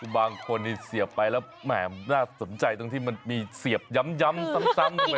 บางคนเสียบไปแล้วแหมน่าสนใจตรงที่มันมีเสียบย้ำซ้ำลงไป